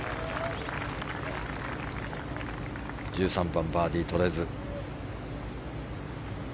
１３番バーディーとれず。